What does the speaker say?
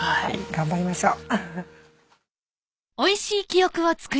頑張りましょう。